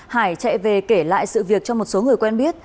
hải chạy về kể lại sự việc cho một số người quen biết